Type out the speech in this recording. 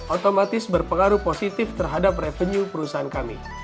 otomatis berpengaruh positif terhadap revenue perusahaan kami